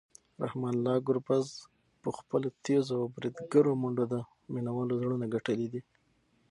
رحمان الله ګربز په خپلو تېزو او بریدګرو منډو د مینوالو زړونه ګټلي دي.